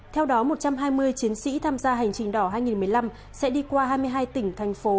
theo đó một trăm hai mươi chiến sĩ tham gia hành trình đỏ hai nghìn một mươi năm sẽ đi qua hai mươi hai tỉnh thành phố